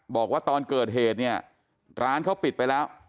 บอกว่าตอนเกิดเหตุเนี่ยร้านเขาปิดไปแล้ว